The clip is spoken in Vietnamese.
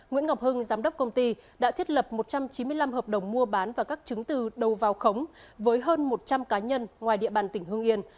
nguyễn ngọc hưng giám đốc công ty đã thiết lập một trăm chín mươi năm hợp đồng mua bán và các chứng từ đầu vào khống với hơn một trăm linh cá nhân ngoài địa bàn tỉnh hương yên